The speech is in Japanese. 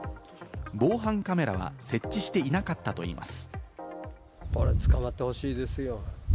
防犯カメラは設置していなかったといいます。